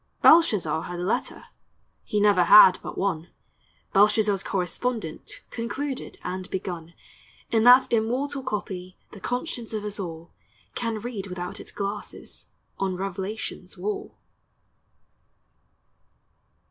Belshazzar had a letter, He never had but one; Belshazzar's correspondent Concluded and begun In that immortal copy The conscience of us all Can read without its glasses On revelation's wall.